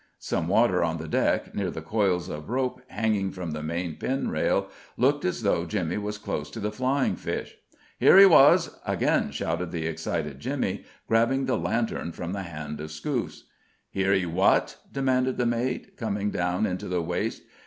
_" Some water on the deck, near the coils of rope hanging from the main pin rail, looked as though Jimmy was close to the flying fish. "Here he was!" again shouted the excited Jimmy, grabbing the lantern from the hand of Scouse. "Here he what?" demanded the mate, coming down into the waist.